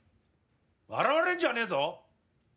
笑われるんじゃねえぞ。